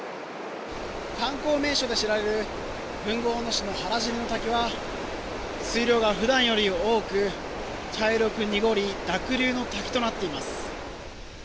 観光名所として知られる豊後大野・原尻の滝は水量が普段より多く茶色く濁り濁流の滝となっています。